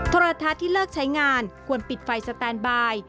โทรทัศน์ที่เลิกใช้งานควรปิดไฟสแตนบาย